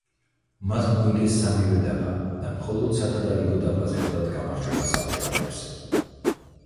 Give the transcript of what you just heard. მათ მოიგეს სამივე დაფა და მხოლოდ სათდარიგო დაფაზე ხვდათ გამარჯვება საბჭოელებს.